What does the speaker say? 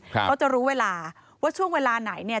เขาจะรู้เวลาว่าช่วงเวลาไหนเนี่ย